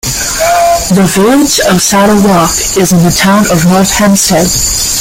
The Village of Saddle Rock is in the Town of North Hempstead.